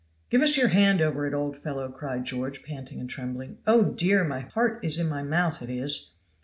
"Give us your hand over it, old fellow," cried George, panting and trembling. "Oh dear, my heart is in my mouth, it is!"